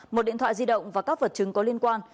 một điện thoại di động và các vật chứng có liên quan